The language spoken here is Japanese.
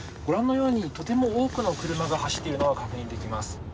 ごらんのようにとても多くの車が走っているのが確認出来ます。